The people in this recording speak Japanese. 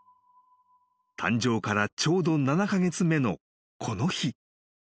［誕生からちょうど７カ月目のこの日］